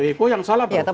eh kok yang salah